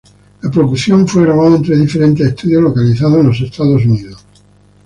La producción fue grabada en tres diferentes estudios localizados en Estados Unidos.